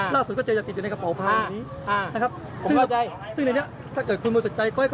แล้วแต่เกิดคุณบัตรใจก็